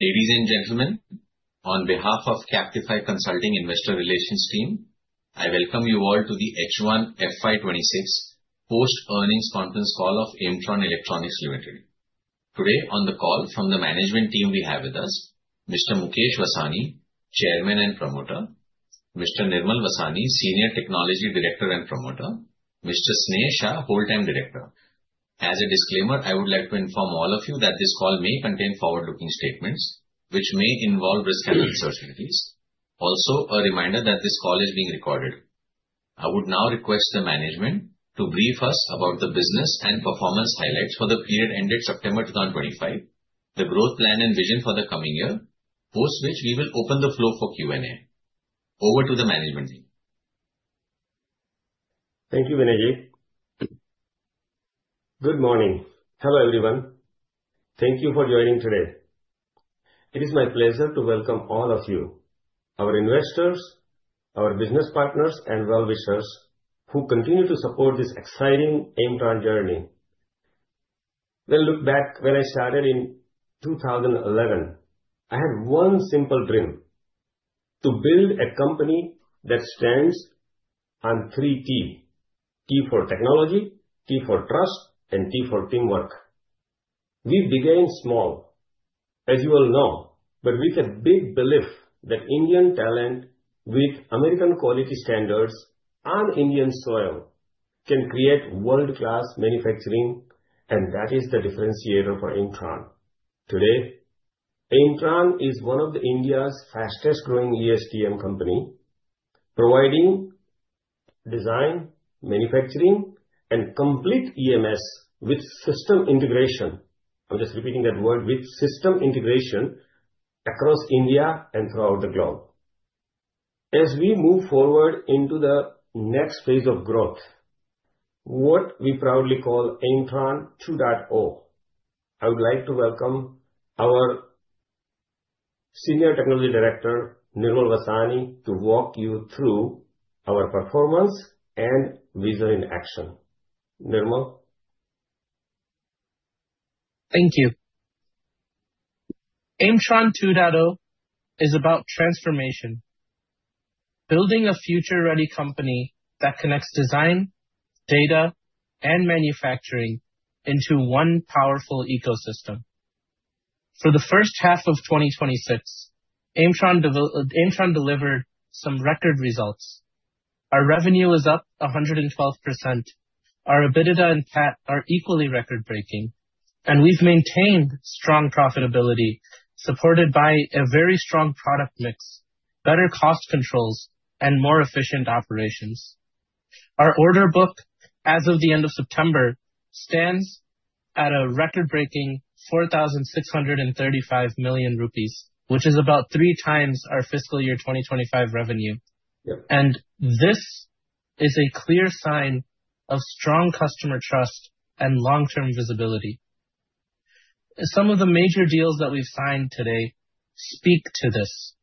Ladies and gentlemen, on behalf of Captify Consulting Investor Relations team, I welcome you all to the H1 FY 2026 post-earnings conference call of Aimtron Electronics Limited. Today on the call from the management team we have with us Mr. Mukesh Vasani, Chairman and Promoter, Mr. Nirmal Vasani, Senior Technology Director and Promoter, Mr. Sneh Shah, Full-Time Director. As a disclaimer, I would like to inform all of you that this call may contain forward-looking statements, which may involve risks and uncertainties. Also, a reminder that this call is being recorded. I would now request the management to brief us about the business and performance highlights for the period ended September 2025, the growth plan and vision for the coming year, post which we will open the floor for Q&A. Over to the management team. Thank you, Vinay. Good morning. Hello, everyone. Thank you for joining today. It is my pleasure to welcome all of you, our investors, our business partners, and well-wishers who continue to support this exciting Aimtron journey. When I look back when I started in 2011, I had one simple dream: to build a company that stands on three T. T for technology, T for trust, and T for teamwork. We began small, as you all know, but with a big belief that Indian talent with American quality standards on Indian soil can create world-class manufacturing, that is the differentiator for Aimtron. Today, Aimtron is one of India's fastest-growing ESDM company, providing design, manufacturing, and complete EMS with system integration. I'm just repeating that word, with system integration across India and throughout the globe. As we move forward into the next phase of growth, what we proudly call Aimtron 2.0, I would like to welcome our Senior Technology Director, Nirmal Vasani, to walk you through our performance and vision in action. Nirmal. Thank you. Aimtron 2.0 is about transformation, building a future-ready company that connects design, data, and manufacturing into one powerful ecosystem. For the first half of 2026, Aimtron delivered some record results. Our revenue is up 112%. Our EBITDA and PAT are equally record-breaking, and we've maintained strong profitability, supported by a very strong product mix, better cost controls, and more efficient operations. Our order book, as of the end of September, stands at a record-breaking 4,635 million rupees, which is about three times our FY 2025 revenue. Yep. This is a clear sign of strong customer trust and long-term visibility. Some of the major deals that we've signed today speak to this.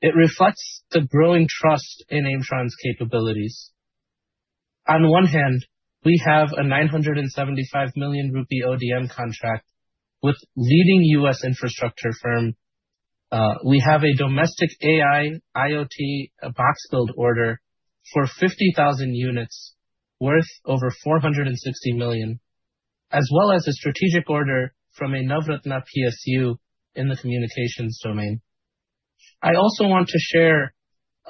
It reflects the growing trust in Aimtron's capabilities. On one hand, we have an 975 million rupee ODM contract with leading U.S. infrastructure firm. We have a domestic AI, IoT box build order for 50,000 units worth over 460 million, as well as a strategic order from a Navratna PSU in the communications domain. I also want to share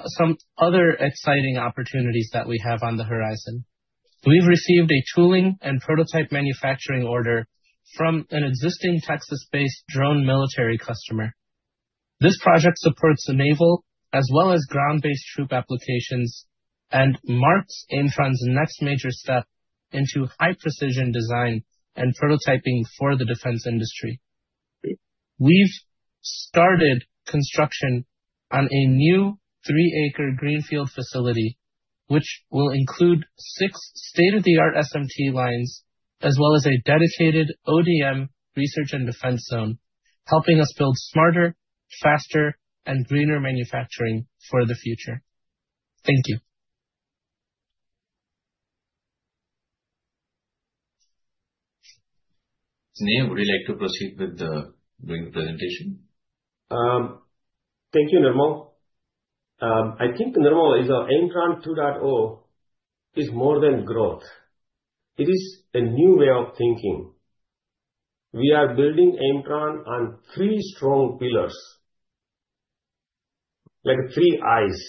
some other exciting opportunities that we have on the horizon. We've received a tooling and prototype manufacturing order from an existing Texas-based drone military customer. This project supports the naval as well as ground-based troop applications and marks Aimtron's next major step into high-precision design and prototyping for the defense industry. We've started construction on a new three-acre greenfield facility, which will include 6 state-of-the-art SMT lines, as well as a dedicated ODM research and defense zone, helping us build smarter, faster, and greener manufacturing for the future. Thank you. Sneh, would you like to proceed with the remaining presentation? Thank you, Nirmal. I think, Nirmal, our Aimtron 2.0 is more than growth. It is a new way of thinking. We are building Aimtron on 3 strong pillars. Like 3 I's.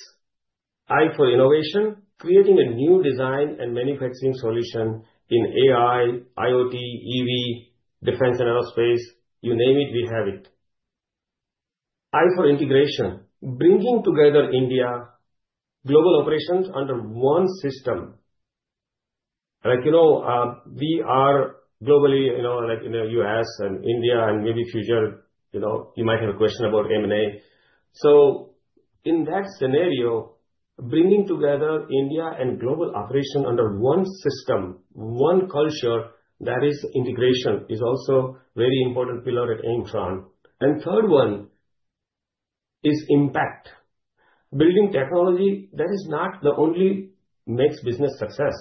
I for innovation, creating a new design and manufacturing solution in AI, IoT, EV, defense, and aerospace. You name it, we have it. I for integration, bringing together India global operations under one system. We are globally in the U.S. and India and maybe future, you might have a question about M&A. In that scenario, bringing together India and global operation under one system, one culture, that is integration, is also very important pillar at Aimtron. Third one is impact. Building technology that is not only makes business success,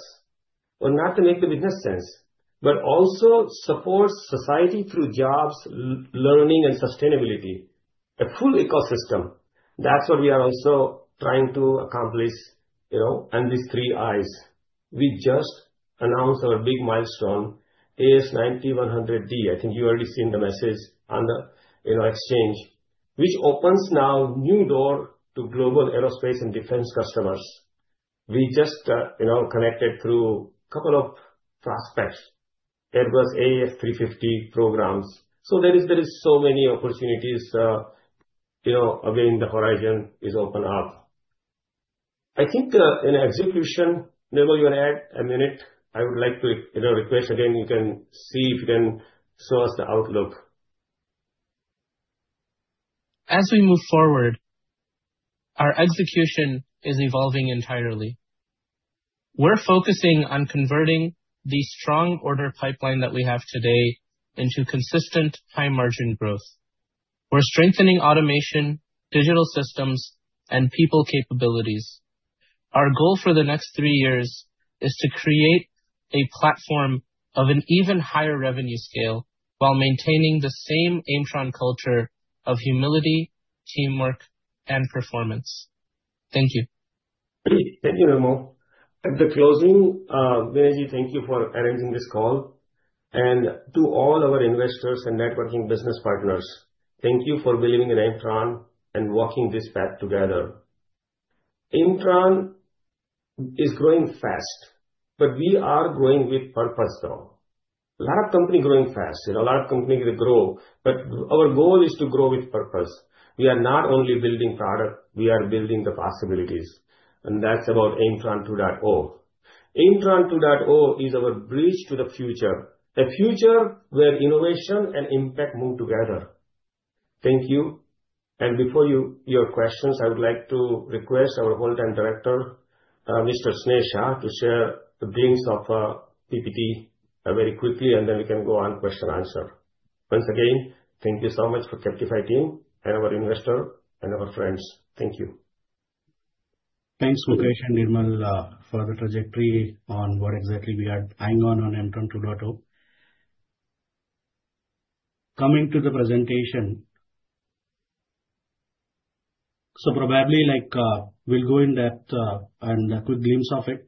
or not to make the business sense, but also supports society through jobs, learning, and sustainability. A full ecosystem. That's what we are also trying to accomplish and these three Is. We just announced our big milestone, AS9100D. I think you've already seen the message on the exchange. Which opens now new door to global aerospace and defense customers. We just connected through a couple of prospects. Airbus A350 programs. There is so many opportunities. Again, the horizon is open up. I think in execution, Nirmal, you want to add a minute? I would like to request again, you can see if you can show us the outlook. As we move forward, our execution is evolving entirely. We're focusing on converting the strong order pipeline that we have today into consistent high-margin growth. We're strengthening automation, digital systems, and people capabilities. Our goal for the next three years is to create a platform of an even higher revenue scale while maintaining the same Aimtron culture of humility, teamwork, and performance. Thank you. Great. Thank you, Nirmal. At the closing, Vineet, thank you for arranging this call. To all our investors and networking business partners, thank you for believing in Aimtron and walking this path together. Aimtron is growing fast, but we are growing with purpose though. A lot of company growing fast. A lot of companies will grow, but our goal is to grow with purpose. We are not only building product, we are building the possibilities. That's about Aimtron 2.0. Aimtron 2.0 is our bridge to the future. A future where innovation and impact move together. Thank you. Before your questions, I would like to request our Whole-Time Director, Mr. Sneh to share the briefs of PPT very quickly, then we can go on question answer. Once again, thank you so much for Captify team and our investor and our friends. Thank you. Thanks, Mukesh and Nirmal, for the trajectory on what exactly we are hanging on Aimtron 2.0. Coming to the presentation. Probably, we'll go in depth and a quick glimpse of it.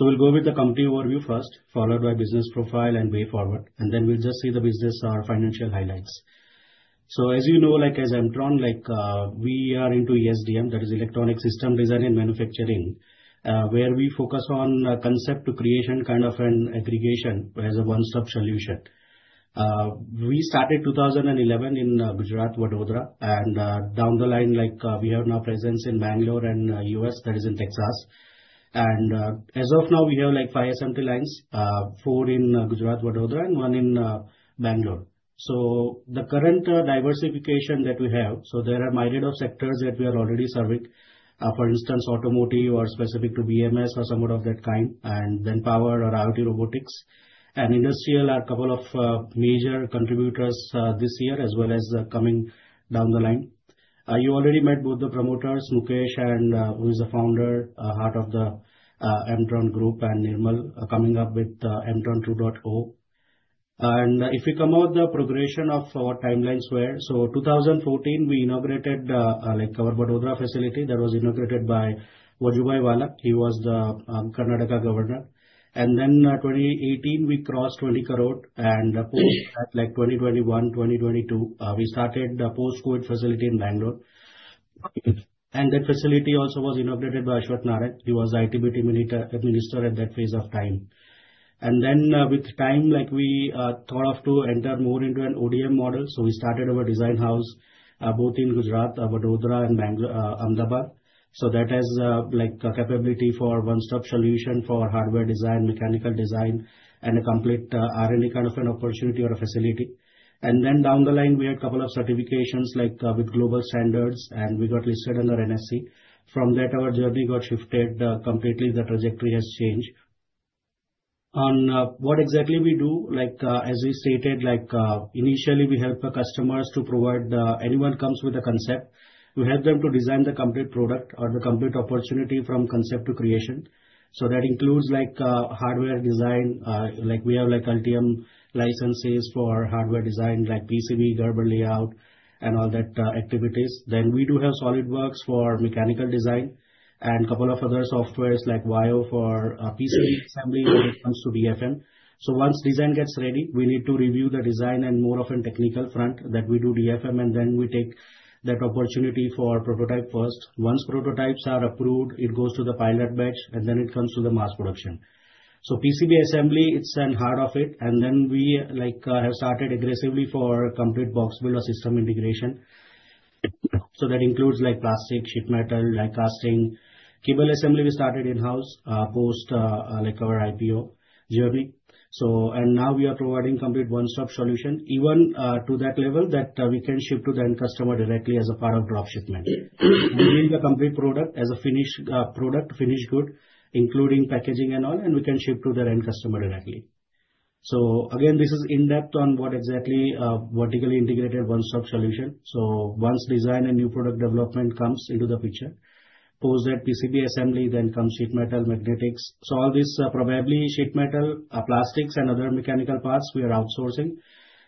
We'll go with the company overview first, followed by business profile and way forward. Then we'll just see the business, our financial highlights. As you know, as Aimtron, we are into ESDM, that is Electronic System Design and Manufacturing, where we focus on concept to creation kind of an aggregation as a one-stop solution. We started 2011 in Gujarat, Vadodara, and down the line, we have now presence in Bangalore and U.S., that is in Texas. As of now, we have five SMT lines, four in Gujarat, Vadodara and one in Bangalore. The current diversification that we have, there are myriad of sectors that we are already serving. For instance, automotive or specific to BMS or somewhat of that kind. Power or IoT robotics and industrial are a couple of major contributors this year as well as coming down the line. You already met both the promoters, Mukesh, who is the founder, heart of the Aimtron Group, and Nirmal, coming up with Aimtron 2.0. If you come out the progression of our timelines were. 2014, we inaugurated our Vadodara facility that was inaugurated by Vajubhai Vala. He was the Karnataka governor. 2018, we crossed 20 crore. Post that, 2021, 2022, we started the post-COVID facility in Bangalore. That facility also was inaugurated by Ashwath Narayan. He was the IT, BT minister at that phase of time. With time, we thought of to enter more into an ODM model. We started our design house, both in Gujarat, Vadodara and Ahmedabad. That has a capability for one-stop solution for hardware design, mechanical design, and a complete R&D kind of an opportunity or a facility. Down the line, we had couple of certifications with global standards, and we got listed under NSE. From that, our journey got shifted completely. The trajectory has changed. On what exactly we do, as we stated, initially we help customers to provide Anyone comes with a concept, we help them to design the complete product or the complete opportunity from concept to creation. That includes hardware design. We have Altium licenses for hardware design, like PCB, Gerber layout and all that activities. We do have SolidWorks for mechanical design and couple of other softwares like Valor for PCB assembly when it comes to DFM. Once design gets ready, we need to review the design and more of an technical front that we do DFM. We take that opportunity for prototype first. Once prototypes are approved, it goes to the pilot batch. It comes to the mass production. PCB assembly, it's an heart of it. We have started aggressively for complete box build or system integration. That includes plastic, sheet metal, die casting. Cable assembly, we started in-house, post our IPO journey. Now we are providing complete one-stop solution, even to that level that we can ship to the end customer directly as a part of drop shipment. We build the complete product as a finished product, finished good, including packaging and all, and we can ship to their end customer directly. Again, this is in-depth on what exactly a vertically integrated one-stop solution. Once design and new product development comes into the picture, post that PCB assembly, comes sheet metal, magnetics. All this, probably sheet metal, plastics and other mechanical parts, we are outsourcing.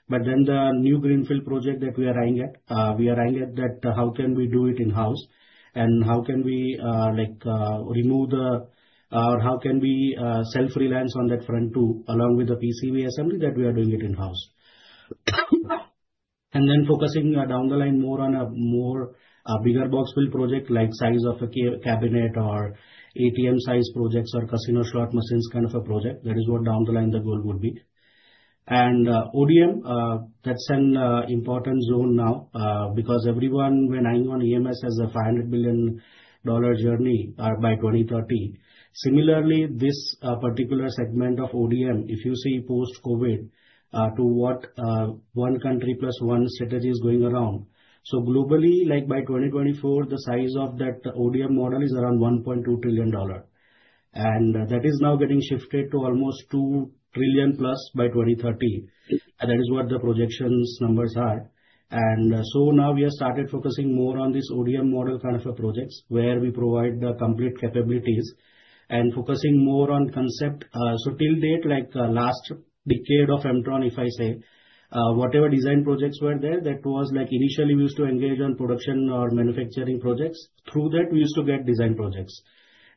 The new greenfield project that we are eyeing at, we are eyeing at that how can we do it in-house and how can we remove or how can we self-reliance on that front too, along with the PCB assembly that we are doing it in-house. Focusing down the line more on a bigger box build project, like size of a cabinet or ATM size projects or casino slot machines kind of a project. That is what down the line the goal would be. ODM, that's an important zone now, because everyone when eyeing on EMS has a $500 billion journey by 2030. Similarly, this particular segment of ODM, if you see post-COVID, to what 1 country plus 1 strategy is going around. Globally, like by 2024, the size of that ODM model is around INR 1.2 trillion. That is now getting shifted to almost 2 trillion plus by 2030. That is what the projections numbers are. Now we have started focusing more on this ODM model kind of projects, where we provide the complete capabilities and focusing more on concept. Till date, like last decade of Aimtron, if I say, whatever design projects were there, that was like initially we used to engage on production or manufacturing projects. Through that, we used to get design projects.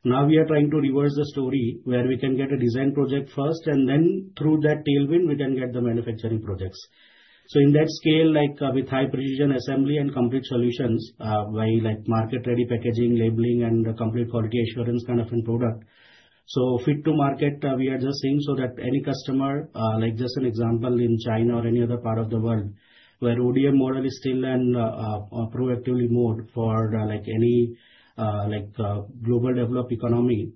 We are trying to reverse the story, where we can get a design project first, and then through that tailwind, we can get the manufacturing projects. In that scale, like with high precision assembly and complete solutions, by market-ready packaging, labeling, and complete quality assurance kind of product. Fit to market, we are just seeing so that any customer, like just an example in China or any other part of the world, where ODM model is still in a proactively mode for any global developed economy.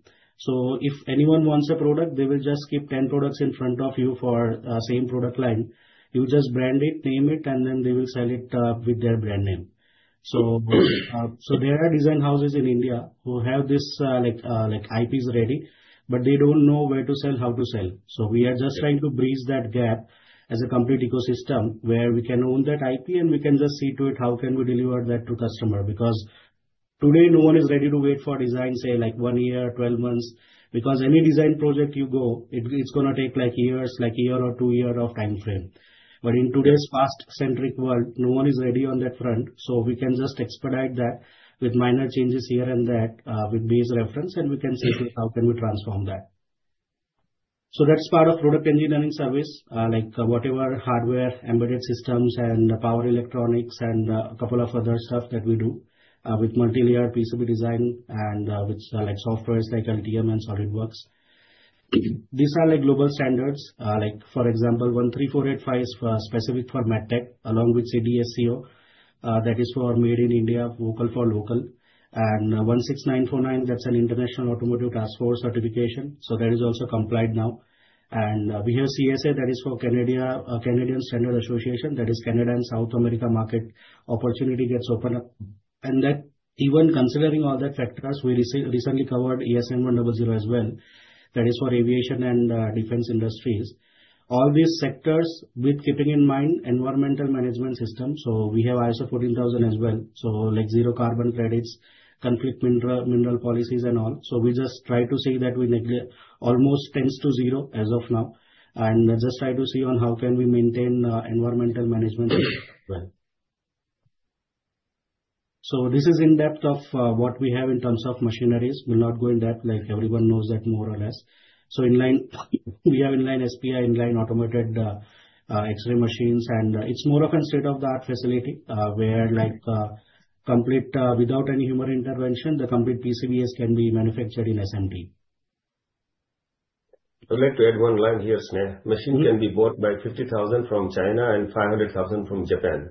If anyone wants a product, they will just keep 10 products in front of you for same product line. You just brand it, name it, and then they will sell it with their brand name. There are design houses in India who have this IPs ready, but they don't know where to sell, how to sell. We are just trying to bridge that gap as a complete ecosystem where we can own that IP, and we can just see to it how can we deliver that to customer. Today, no one is ready to wait for design, say like 1 year, 12 months, because any design project you go, it's going to take years, like 1 year or 2 year of timeframe. In today's fast-centric world, no one is ready on that front. We can just expedite that with minor changes here and there with base reference, and we can see to how can we transform that. That's part of product engineering service, like whatever hardware, embedded systems and power electronics and a couple of other stuff that we do, with multilayer PCB design and with softwares like Altium and SolidWorks. These are global standards. For example, ISO 13485 is specific for medtech along with CDSCO. That is for our made in India, vocal for local. IATF 16949, that's an international automotive task force certification. That is also complied now. We have CSA, that is for Canadian Standards Association. That is Canada and South America market opportunity gets opened up. Even considering all that factors, we recently covered AS9100 as well. That is for aviation and defense industries. All these sectors with keeping in mind environmental management system. We have ISO 14000 as well. Like zero carbon credits, conflict mineral policies and all. We just try to see that we almost tends to zero as of now, and just try to see on how can we maintain environmental management as well. This is in-depth of what we have in terms of machineries. Will not go in depth, like everyone knows that more or less. Inline, we have inline SPI, inline automated X-ray machines, and it's more of a state-of-the-art facility, where complete, without any human intervention, the complete PCBAs can be manufactured in SMT. I'd like to add one line here, Sneh. Machine can be bought by $50,000 from China and $500,000 from Japan.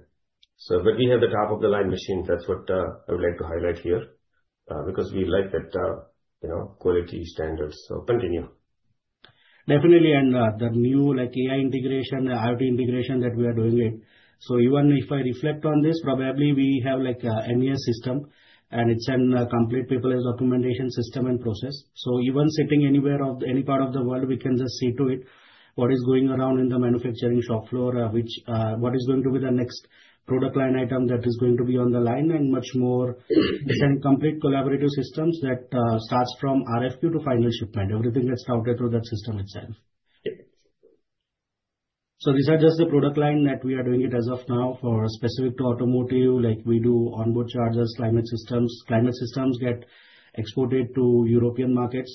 We have the top-of-the-line machines, that's what I would like to highlight here, because we like that quality standards. Continue. Definitely, the new AI integration, IoT integration that we are doing it. Even if I reflect on this, probably we have MES system, and it's a complete paperless documentation system and process. Even sitting anywhere of any part of the world, we can just see to it what is going around in the manufacturing shop floor, what is going to be the next product line item that is going to be on the line, and much more different complete collaborative systems that starts from RFQ to final shipment. Everything gets routed through that system itself. These are just the product line that we are doing it as of now for specific to automotive, like we do onboard chargers, climate systems. Climate systems get exported to European markets.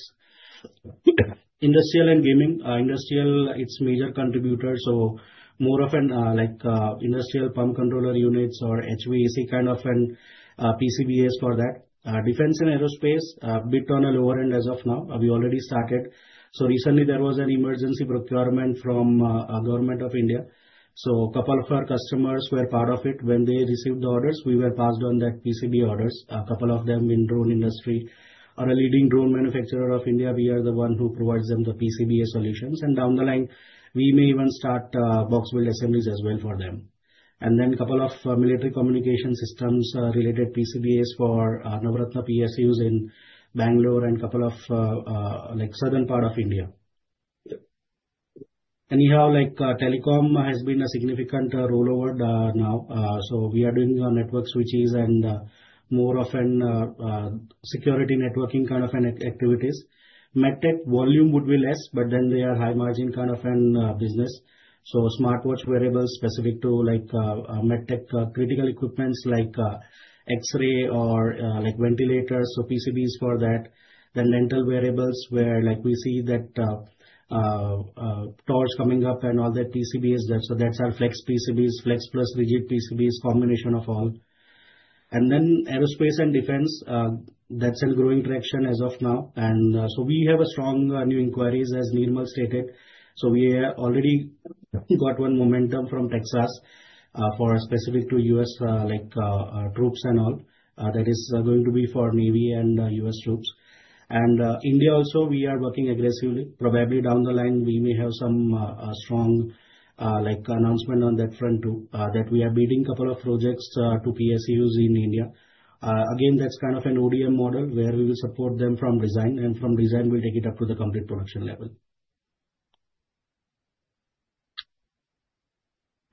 Industrial and gaming. Industrial, it's major contributor, more of an industrial pump controller units or HVAC kind of an PCBAs for that. Defense and aerospace, bit on a lower end as of now. We already started. Recently, there was an emergency procurement from Government of India. Couple of our customers were part of it. When they received the orders, we were passed on that PCB orders. A couple of them in drone industry. On a leading drone manufacturer of India, we are the one who provides them the PCBA solutions. Down the line, we may even start box build assemblies as well for them. Couple of military communication systems-related PCBAs for Navratna PSUs in Bangalore and couple of southern part of India. Yep Anyhow, telecom has been a significant rollover now. We are doing network switches and more of a security networking kind of activities. Medtech volume would be less, but then they are high margin kind of an business. Smartwatch wearables specific to Medtech, critical equipments like X-ray or ventilators, so PCBs for that. Then lentil wearables where we see that torch coming up and all that PCB is there. That's our flex PCBs, flex plus rigid PCBs, combination of all. Aerospace and defense, that's a growing traction as of now. We have strong new inquiries, as Nirmal stated. We already got one momentum from Texas, specific to U.S. troops and all. That is going to be for Navy and U.S. troops. India also, we are working aggressively. Probably down the line, we may have some strong announcement on that front too, that we are bidding couple of projects to PSUs in India. That's kind of an ODM model, where we will support them from design, and from design, we'll take it up to the complete production level.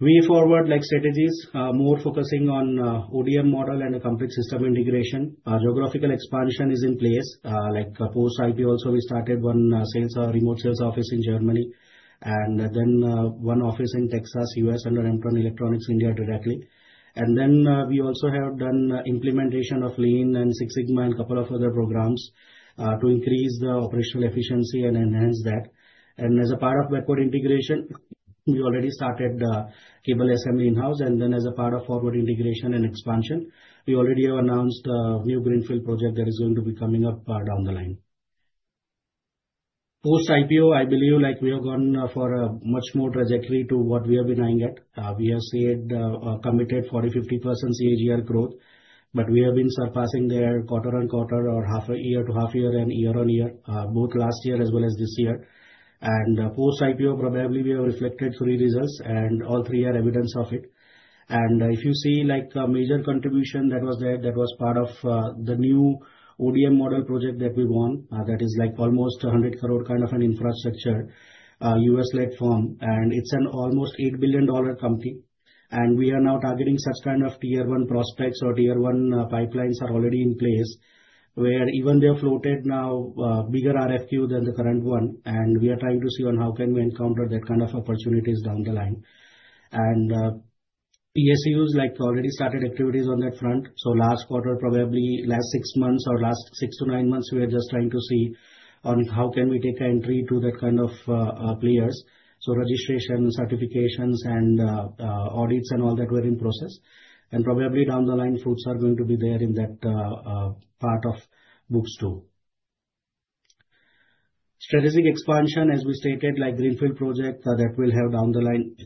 Way forward strategies, more focusing on ODM model and a complete system integration. Geographical expansion is in place. Like post-IPO also, we started one remote sales office in Germany, and then one office in Texas, U.S., under Aimtron Electronics India directly. We also have done implementation of Lean and Six Sigma and a couple of other programs to increase the operational efficiency and enhance that. As a part of backward integration, we already started cable assembly in-house. As a part of forward integration and expansion, we already have announced a new greenfield project that is going to be coming up down the line. Post-IPO, I believe we have gone for a much more trajectory to what we have been eyeing at. We have committed 40%-50% CAGR growth, but we have been surpassing there quarter on quarter or half a year to half year and year on year, both last year as well as this year. Post-IPO, probably we have reflected three results and all three are evidence of it. If you see a major contribution that was there, that was part of the new ODM model project that we won, that is almost 100 crore kind of an infrastructure, U.S.-led firm, and it's an almost $8 billion company. We are now targeting such kind of tier 1 prospects or tier 1 pipelines are already in place, where even they have floated now a bigger RFQ than the current one, and we are trying to see on how can we encounter that kind of opportunities down the line. PSUs, already started activities on that front. Last quarter, probably last 6 months or last 6-9 months, we are just trying to see on how can we take an entry to that kind of players. Registration, certifications, and audits and all that were in process. Probably down the line, fruits are going to be there in that part of books too. Strategic expansion, as we stated, like greenfield project, that will have down the line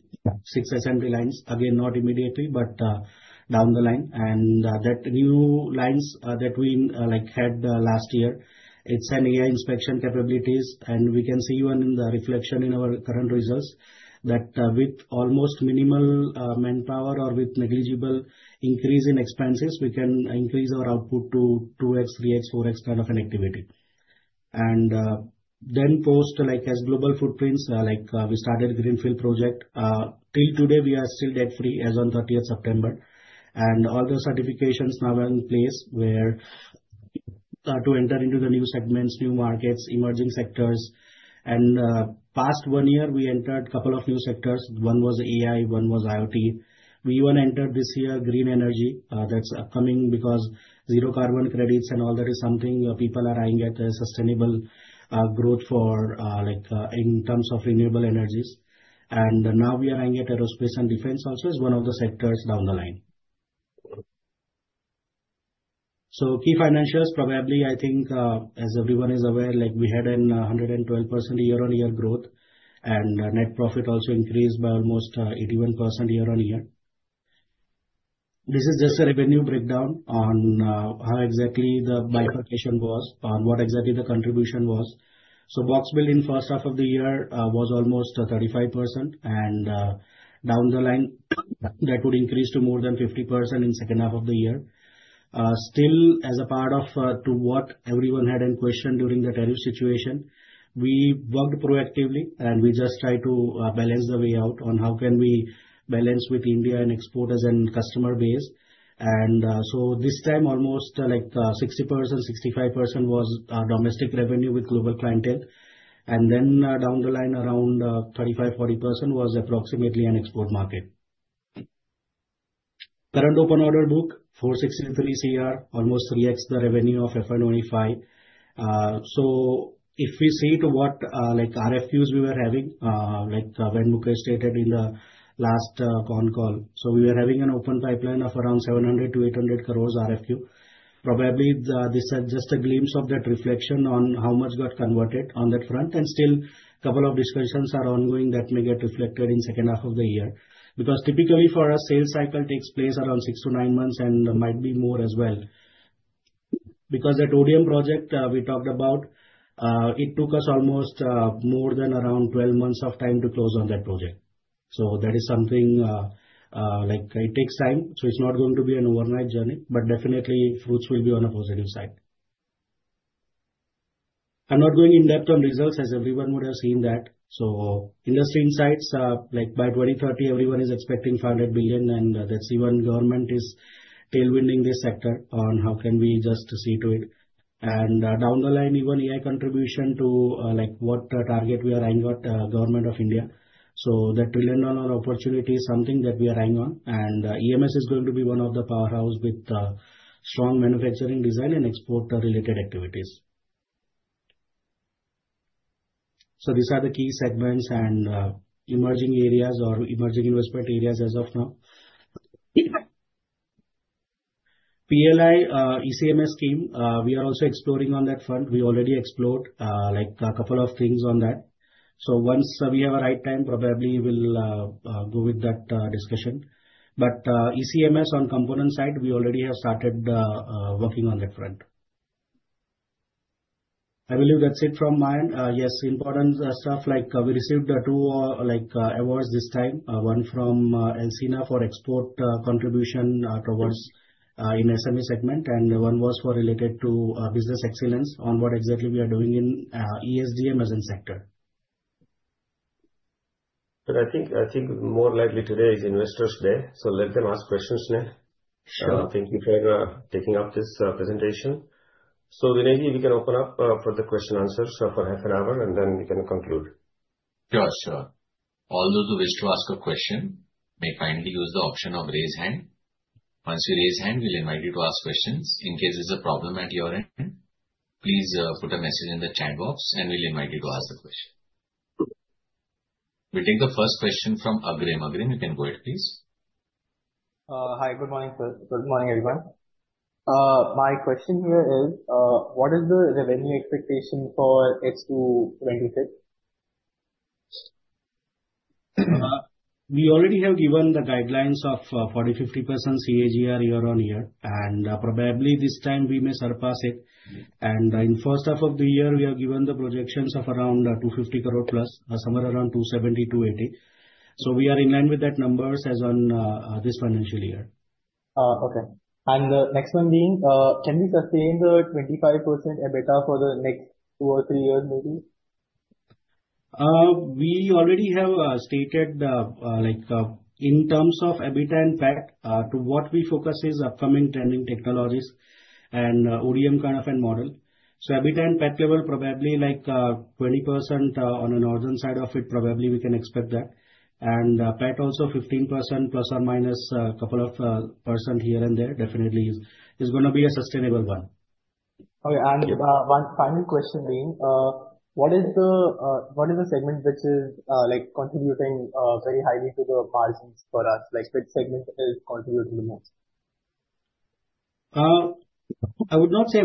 6 assembly lines. Again, not immediately, but down the line. That new lines that we had last year, it's an AI inspection capabilities, we can see even in the reflection in our current results that with almost minimal manpower or with negligible increase in expenses, we can increase our output to 2X, 3X, 4X kind of an activity. Then post as global footprints, we started greenfield project. Till today, we are still debt-free as on 30th September. All the certifications now are in place where to enter into the new segments, new markets, emerging sectors. Past one year, we entered couple of new sectors. One was AI, one was IoT. We even entered this year green energy. That's upcoming because zero carbon credits and all that is something people are eyeing at, a sustainable growth in terms of renewable energies. Now we are eyeing at aerospace and defense also as one of the sectors down the line. Key financials, probably, I think as everyone is aware, we had an 112% year-over-year growth, net profit also increased by almost 81% year-over-year. This is just a revenue breakdown on how exactly the bifurcation was, on what exactly the contribution was. Box build in first half of the year was almost 35%, down the line that would increase to more than 50% in second half of the year. Still as a part of to what everyone had in question during the tariff situation, we worked proactively, we just try to balance the way out on how can we balance with India and export as an customer base. This time, almost 60%-65% was domestic revenue with global clientele. Then down the line, around 35%-40% was approximately an export market. Current open order book, 463 crore, almost 3X the revenue of FY 2025. If we see to what RFQs we were having, when Mukesh stated in the last con call. We were having an open pipeline of around 700 crore to 800 crore RFQ. Probably, this is just a glimpse of that reflection on how much got converted on that front, still couple of discussions are ongoing that may get reflected in second half of the year. Typically for a sales cycle takes place around six to nine months and might be more as well. That ODM project we talked about, it took us almost more than around 12 months of time to close on that project. That is something, it takes time, it's not going to be an overnight journey, but definitely fruits will be on a positive side. I'm not going in-depth on results as everyone would have seen that. Industry insights are like by 2030 everyone is expecting 500 billion and that even Government of India is tailwinding this sector on how can we just see to it. That trillion dollar opportunity is something that we are eyeing on. EMS is going to be one of the powerhouse with strong manufacturing design and export-related activities. These are the key segments and emerging areas or emerging investment areas as of now. PLI ECMS scheme, we are also exploring on that front. We already explored a couple of things on that. Once we have a right time, probably we'll go with that discussion. ECMS on component side, we already have started working on that front. I believe that's it from mine. Yes, important stuff like we received two awards this time, one from ELCINA for export contribution towards in SME segment and one was for related to business excellence on what exactly we are doing in ESG Amazon sector. I think more likely today is investors day, so let them ask questions. Sure. Thank you for taking up this presentation. Vineet, we can open up for the question answers for half an hour, and then we can conclude. Sure. All those who wish to ask a question may kindly use the option of raise hand. Once you raise hand, we'll invite you to ask questions. In case there's a problem at your end, please put a message in the chat box and we'll invite you to ask the question. We'll take the first question from Agrim. Agrim, you can go ahead, please. Hi. Good morning. Good morning, everyone. My question here is, what is the revenue expectation for X 226? We already have given the guidelines of 40%-50% CAGR year-on-year. Probably this time we may surpass it. In first half of the year, we have given the projections of around 250 crore+, somewhere around 270 crore-880 crore. We are in line with that numbers as on this financial year. Okay. The next one being, can we sustain the 25% EBITDA for the next two or three years, maybe? We already have stated, in terms of EBITDA and PAT, to what we focus is upcoming trending technologies and OEM kind of a model. EBITDA and PAT level probably like 20% on an northern side of it probably we can expect that. PAT also 15% ± a couple of percent here and there definitely is going to be a sustainable one. Okay. One final question being, what is the segment which is contributing very highly to the margins for us? Which segment is contributing the most? I would not say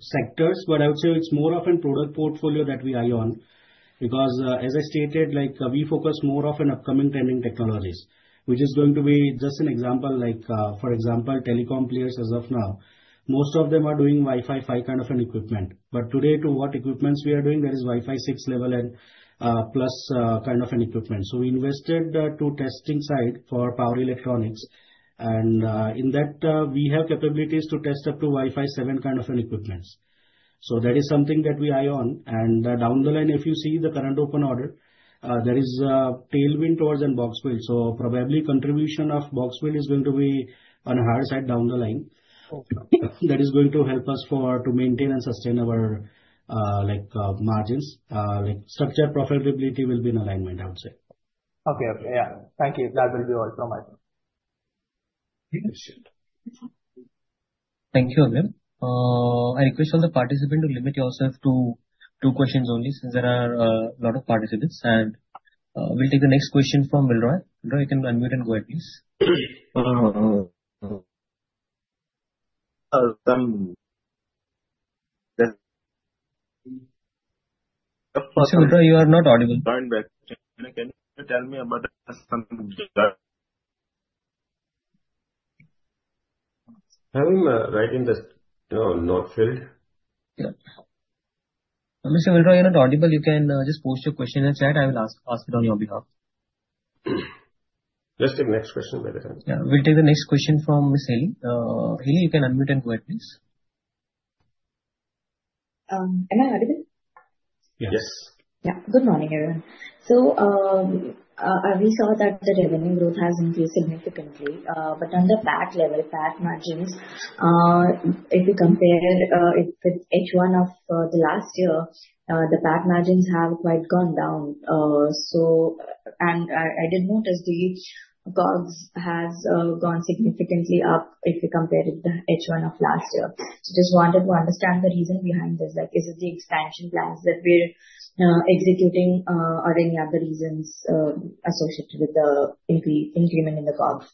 sectors, but I would say it's more of an product portfolio that we eye on because as I stated, we focus more of an upcoming trending technologies. Which is going to be just an example like for example, telecom players as of now. Most of them are doing Wi-Fi five kind of an equipment. Today to what equipments we are doing, there is Wi-Fi six level and plus kind of an equipment. We invested two testing site for power electronics and in that we have capabilities to test up to Wi-Fi seven kind of an equipments. That is something that we eye on, and down the line, if you see the current open order, there is a tailwind towards in box build. Probably contribution of box build is going to be on higher side down the line. Okay. That is going to help us to maintain and sustain our margins. Structure profitability will be in alignment, I would say. Okay. Thank you. That will be all from my end. Thank you. Thank you, Agrim. I request all the participant to limit yourself to two questions only since there are a lot of participants. We'll take the next question from Milroy. Milroy, you can unmute and go ahead, please. Milroy, you are not audible. Can you tell me about I'm writing this on note, Phil. Yeah. Mr. Milroy, you're not audible. You can just post your question in chat. I will ask it on your behalf. Let's take next question by the time. Yeah, we'll take the next question from Sally. Sally, you can unmute and go ahead, please. Am I audible? Yes. Yes. Good morning, everyone. We saw that the revenue growth has increased significantly. On the PAT level, PAT margins, if you compare it with H1 of the last year, the PAT margins have quite gone down. I did notice the COGS has gone significantly up if you compare it to H1 of last year. Just wanted to understand the reason behind this. Is it the expansion plans that we're executing or any other reasons associated with the increase in the COGS?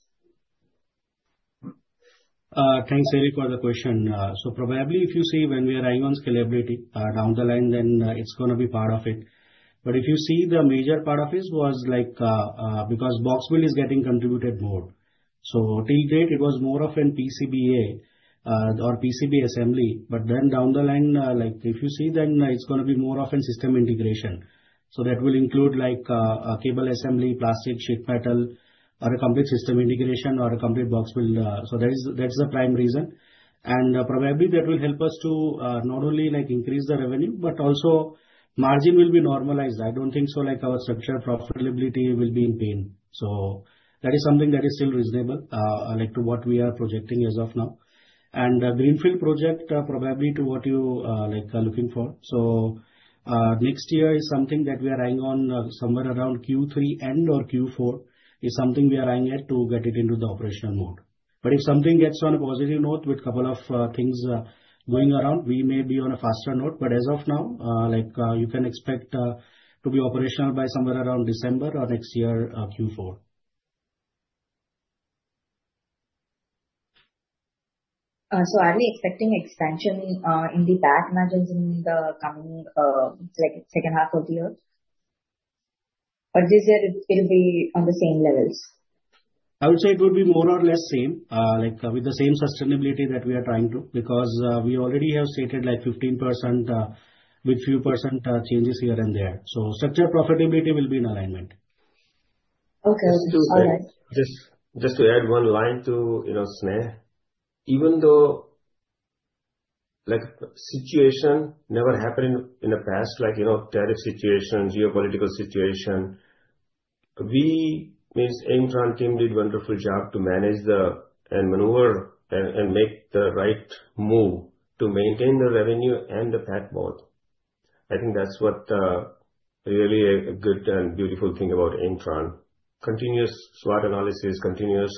Thanks, Sally for the question. Probably if you see when we are eyeing on scalability down the line, it's going to be part of it. If you see the major part of it was because box build is getting contributed more. Till date it was more of an PCBA or PCB assembly, down the line, if you see it's going to be more of a system integration. That will include cable assembly, plastic, sheet metal, or a complete system integration or a complete box build. That is the prime reason, probably that will help us to not only increase the revenue, but also margin will be normalized. I don't think our structural profitability will be in vain. That is something that is still reasonable to what we are projecting as of now. The greenfield project probably to what you are looking for. Next year is something that we are eyeing on somewhere around Q3 and/or Q4 is something we are eyeing at to get it into the operational mode. If something gets on a positive note with couple of things going around, we may be on a faster note. As of now, you can expect to be operational by somewhere around December or next year Q4. Are we expecting expansion in the PAT margins in the coming second half of the year? Do you say it'll be on the same levels? I would say it would be more or less same, with the same sustainability that we are trying to, because we already have stated 15% with few % changes here and there. Structural profitability will be in alignment. Okay. All right. Just to add one line to Sneh. Even though situation never happened in the past, like tariff situation, geopolitical situation, we, means Aimtron team, did wonderful job to manage and maneuver and make the right move to maintain the revenue and the PAT both. I think that's what really a good and beautiful thing about Aimtron. Continuous SWOT analysis, continuous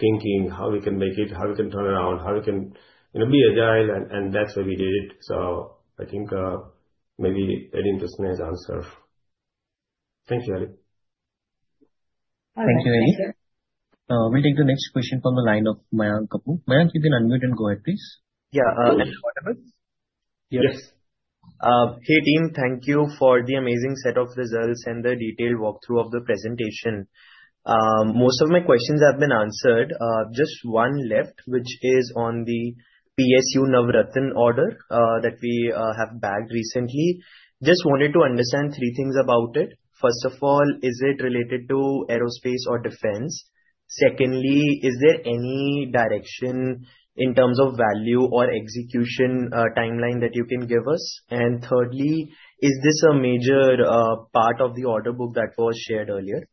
thinking, how we can make it, how we can turn around, how we can be agile, and that's why we did it. I think maybe adding to Sneh's answer. Thank you, Ali. All right. Thanks, sir. Thank you, Ali. We'll take the next question from the line of Mayank Kapoor. Mayank, you can unmute and go ahead, please. Yeah. This is Mayank. Yes. Hey, team. Thank you for the amazing set of results and the detailed walkthrough of the presentation. Most of my questions have been answered. Just one left, which is on the PSU Navratna order that we have bagged recently. Just wanted to understand three things about it. First of all, is it related to aerospace or defense? Secondly, is there any direction in terms of value or execution timeline that you can give us? Thirdly, is this a major part of the order book that was shared earlier?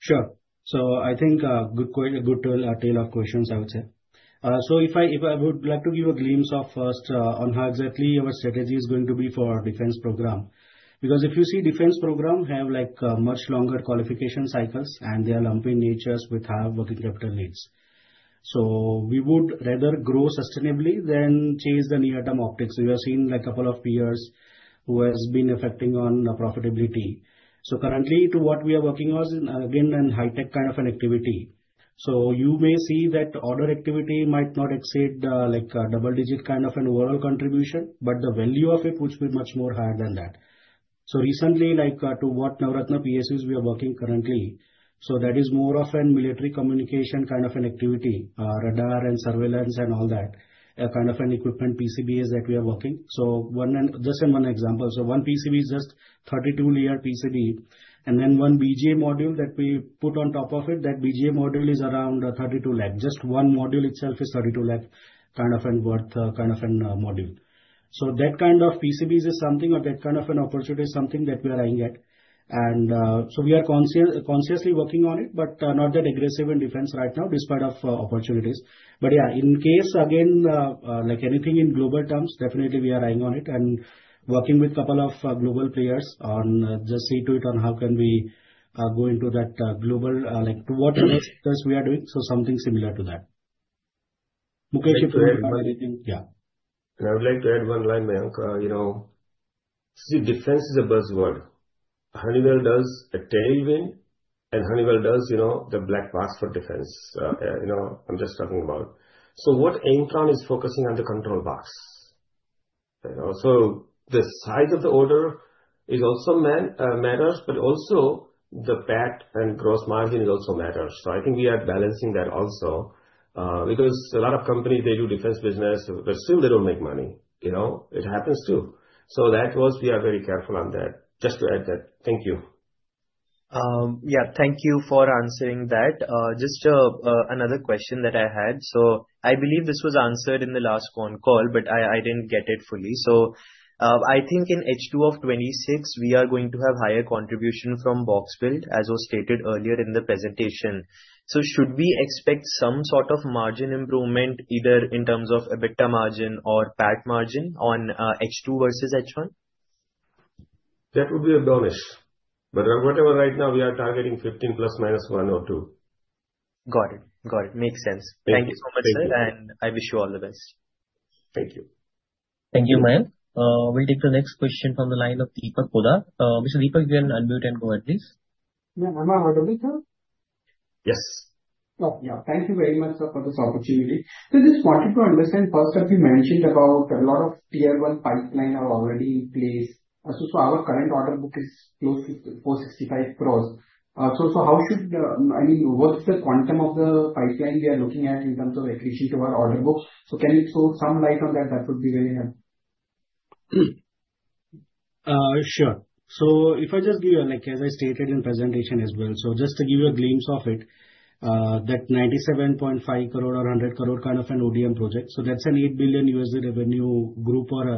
Sure. I think a good tail of questions, I would say. If I would like to give a glimpse of first on how exactly our strategy is going to be for our defense program. If you see defense program have much longer qualification cycles and they are lumpy natures with high working capital needs. We would rather grow sustainably than chase the near-term optics. We have seen couple of peers who has been affecting on profitability. Currently, to what we are working was again on high tech kind of an activity. You may see that order activity might not exceed double digit kind of an overall contribution, but the value of it would be much more higher than that. Recently, to what Navratna PSUs we are working currently, that is more of an military communication kind of an activity, radar and surveillance and all that kind of an equipment PCB is that we are working. Just one example. One PCB is just 32-layer PCB, and then one BGA module that we put on top of it, that BGA module is around 32 lakh. Just one module itself is 32 lakh kind of an worth, kind of an module. That kind of PCBs is something or that kind of an opportunity is something that we are eyeing at. We are consciously working on it, but not that aggressive in Defense right now despite of opportunities. Yeah, in case again, like anything in global terms, definitely we are eyeing on it and working with couple of global players on just see to it on how can we go into that global, like to what extent we are doing, something similar to that. Mukesh, you probably can Yeah. I would like to add one line, Mayank. Defense is a buzzword. Honeywell does a tailwind and Honeywell does the black box for Defense. I'm just talking about. What Aimtron is focusing on the control box. The size of the order it also matters, but also the PAT and gross margin also matters. I think we are balancing that also. Because a lot of companies, they do Defense business, but still they don't make money. It happens too. That was we are very careful on that. Just to add that. Thank you. Yeah. Thank you for answering that. Just another question that I had. I believe this was answered in the last phone call, but I didn't get it fully. I think in H2 of 2026 we are going to have higher contribution from box build, as was stated earlier in the presentation. Should we expect some sort of margin improvement either in terms of EBITDA margin or PAT margin on H2 versus H1? That would be a guesstimate. Whatever right now we are targeting 15 plus or minus one or two. Got it. Makes sense. Thank you. Thank you so much, sir. I wish you all the best. Thank you. Thank you, Mayank. We'll take the next question from the line of Deepak Hooda. Mr. Deepak you can unmute and go ahead please. Yeah. Am I audible, sir? Yes Yeah. Thank you very much, sir, for this opportunity. Just wanted to understand first that you mentioned about a lot of tier 1 pipeline are already in place. Our current order book is close to 465 crores. What's the quantum of the pipeline we are looking at in terms of accretion to our order book? Can you throw some light on that? That would be very helpful. Sure. If I just give you, like as I stated in presentation as well, just to give you a glimpse of it, that 97.5 crore or 100 crore kind of an ODM project. That's an $8 billion revenue group or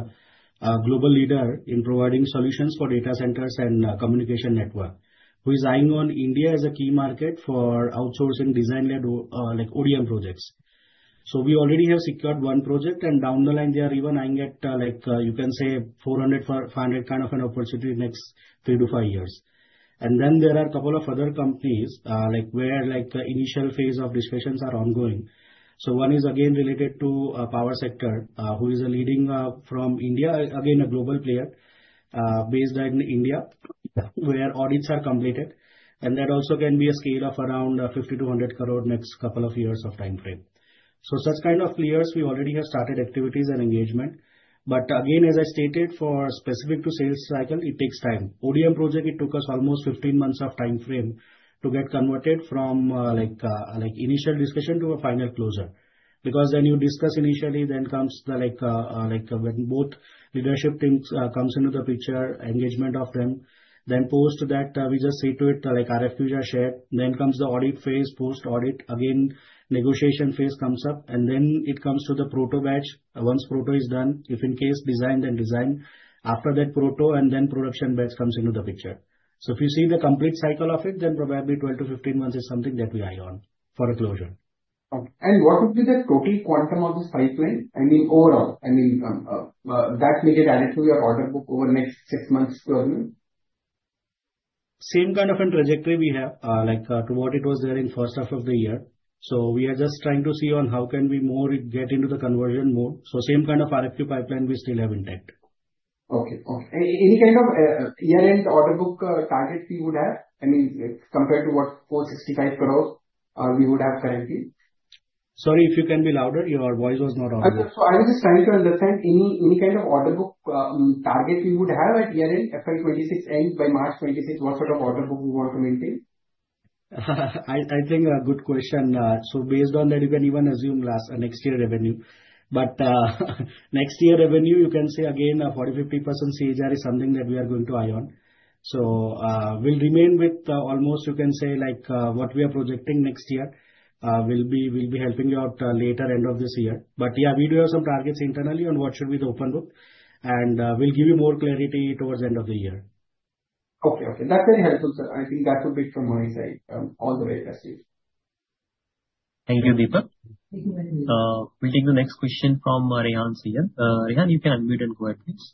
a global leader in providing solutions for data centers and communication network, who is eyeing on India as a key market for outsourcing design-led ODM projects. We already have secured one project and down the line they are even eyeing at, you can say 400, 500 kind of an opportunity next 3 to 5 years. There are a couple of other companies where initial phase of discussions are ongoing. One is again related to power sector, who is a leading from India, again a global player based out in India, where audits are completed. That also can be a scale of around 50 to 100 crore next couple of years of time frame. Such kind of players we already have started activities and engagement. Again, as I stated, for specific to sales cycle, it takes time. ODM project, it took us almost 15 months of time frame to get converted from initial discussion to a final closure. Because when you discuss initially, then comes when both leadership teams comes into the picture, engagement of them. Post that, we just see to it like RFQ share. Comes the audit phase. Post-audit, again, negotiation phase comes up, and then it comes to the proto batch. Once proto is done, if in case design, then design. After that proto and then production batch comes into the picture. If you see the complete cycle of it, then probably 12 to 15 months is something that we eye on for a closure. Okay. What would be the total quantum of this pipeline? I mean, overall, I mean, that may get added to your order book over next six months, 12 months. Same kind of a trajectory we have to what it was there in first half of the year. We are just trying to see on how can we more get into the conversion mode. Same kind of RFQ pipeline we still have intact. Okay. Cool. Any kind of year-end order book target you would have? I mean, compared to what 465 crore we would have currently. Sorry, if you can be louder. Your voice was not audible. Okay. I was just trying to understand any kind of order book target you would have at year-end FY 2026 ends by March 2026, what sort of order book you want to maintain? I think a good question. Based on that you can even assume next year revenue. Next year revenue, you can say again, a 40-50% CAGR is something that we are going to eye on. We'll remain with almost you can say what we are projecting next year. We'll be helping you out later end of this year. Yeah, we do have some targets internally on what should be the open book, and we'll give you more clarity towards the end of the year. Okay. That's very helpful, sir. I think that's a bit from my side. All the way best wishes. Thank you, Deepak. Thank you very much. We'll take the next question from Rehan Seel. Rehan, you can unmute and go ahead, please.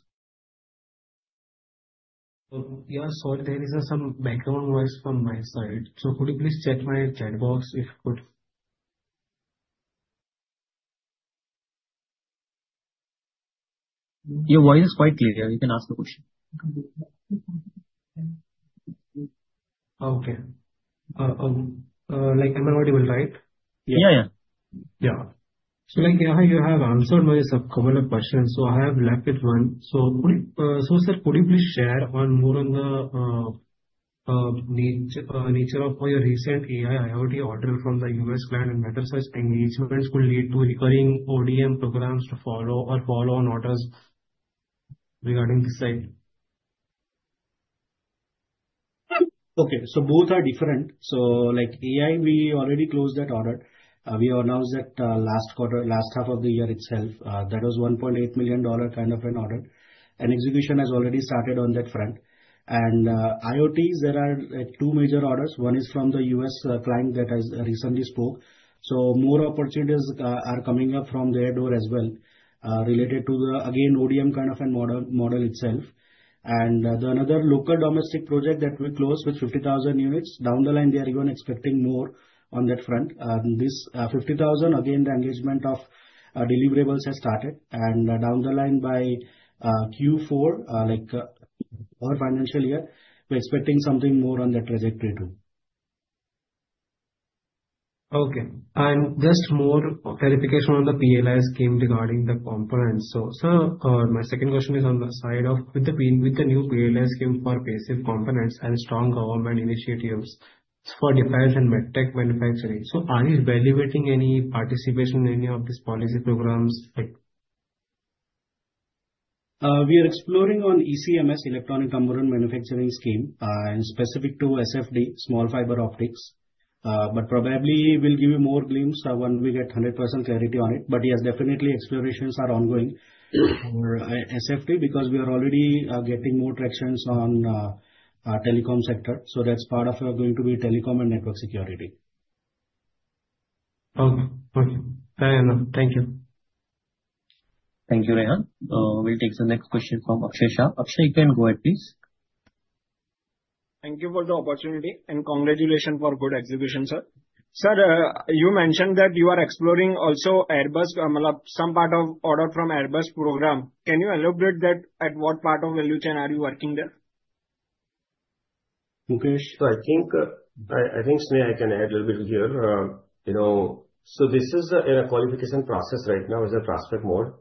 Yeah, sorry. There is some background noise from my side. Could you please check my chat box if you could? Your voice is quite clear. You can ask the question. Okay. Like MRD will write? Yeah. Yeah. You have answered most of couple of questions, I have left with one. Sir, could you please share more on the nature of your recent AI IoT order from the U.S. client and metaverse and these events could lead to recurring ODM programs to follow or follow-on orders regarding the same? Okay. Both are different. Like AI, we already closed that order. We announced that last quarter, last half of the year itself. That was INR 1.8 million kind of an order. Execution has already started on that front. IoTs, there are two major orders. One is from the U.S. client that I recently spoke. More opportunities are coming up from their door as well, related to, again, ODM kind of a model itself. Another local domestic project that we closed with 50,000 units. Down the line, they are even expecting more on that front. This 50,000, again, the engagement of deliverables has started, and down the line by Q4 or financial year, we're expecting something more on that trajectory too. Okay. Just more clarification on the PLI scheme regarding the components. My second question is on the side of with the new PLI scheme for passive components and strong government initiatives for defense and med tech manufacturing. Are you evaluating any participation in any of these policy programs? We are exploring on ECMS, Electronic Component Manufacturing Scheme, specific to SFD, small fiber optics. Probably we'll give you more glimpse when we get 100% clarity on it. Yes, definitely explorations are ongoing for SFD because we are already getting more tractions on telecom sector. That's part of going to be telecom and network security. Okay. Fair enough. Thank you. Thank you, Rehan. We'll take the next question from Akshay Shah. Akshay, you can go ahead, please. Thank you for the opportunity and congratulations for good execution, sir. Sir, you mentioned that you are exploring also Airbus, some part of order from Airbus program. Can you elaborate that at what part of value chain are you working there? Mukesh, I think, Sneh, I can add a little bit here. This is in a qualification process right now as a prospect mode.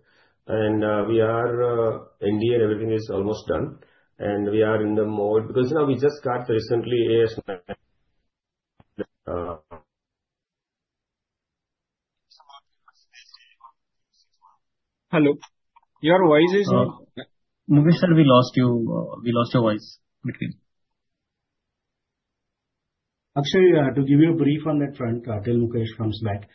We are India, everything is almost done. We are in the mode, because now we just got recently. Hello. Your voice is- Mukesh sir, we lost your voice between. Actually, to give you a brief on that front till Mukesh comes back.